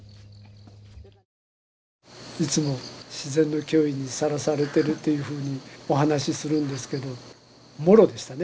いつも自然の驚異にさらされているというふうにお話しするんですけどもろでしたね